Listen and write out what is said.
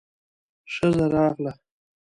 ښځه راغله.